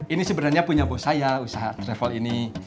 ini sebenarnya punya bos saya usaha travel ini